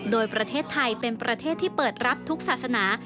โดยประเทศไทยเป็นประเทศที่เปิดรับทุกศาสนา